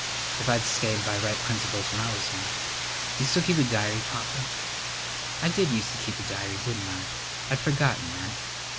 "If I'd stayed by right principles when I was young " "D'you still keep a diary, Papa?" "I did used to keep a diary, didn't I? I'd forgotten that.